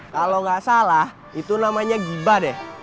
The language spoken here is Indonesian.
kalau nggak salah itu namanya giba deh